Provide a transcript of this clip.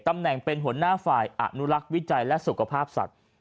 ตำแหน่งเป็นหัวหน้าฝ่ายอนุลักษ์วิจัยและสุขภาพสัตว์